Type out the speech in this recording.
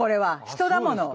人だもの。